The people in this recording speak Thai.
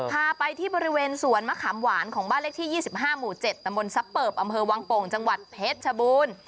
พาไปที่บริเวณสวนมะขามหวานของบ้านเลขที่๒๕หมู่๗ตมซับเปิบอำเภอวังโป่งจังหวัดเพชรชบูรณ์